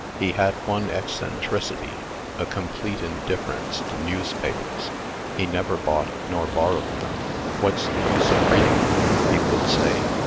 He had one eccentricity a complete indifference to newspapers. He never bought nor borrowed them. "What's the use of reading 'em?" he would say.